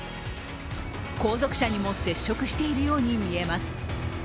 後続車にも接触しているようにみえます。